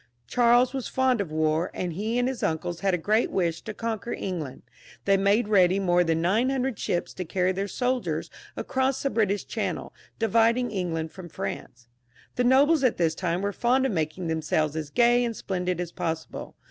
, Charles was fond of war, and he and his uncles had a great wish to conquer England ; they made ready more than nine hundred ships to carry their soldiers ax^ross the British Channel, dividing England ftom France, The nobles at this time were fond of making themselves as gay and as splendid as possible.